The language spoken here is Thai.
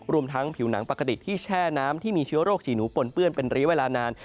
ทั้งผิวหนังปกติที่แช่น้ำที่มีเชื้อโรคฉี่หนูปนเปื้อนเป็นระยะเวลานาน